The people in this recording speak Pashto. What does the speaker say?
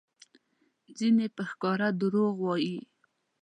ځینې په ښکاره دروغ وایي؛